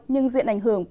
nhưng diện ảnh hưởng